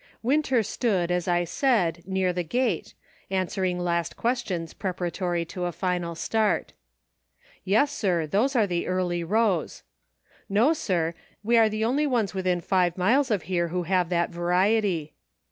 Winter stood, as I said, near the gate, answering last questions preparatory to a final start. "Yes, sir, those are the 'Early Rose.' " "No, sir, we are the only ones within five miles of here who have that variety.